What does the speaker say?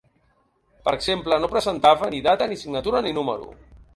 Per exemple, no presentava ni data, ni signatura ni número.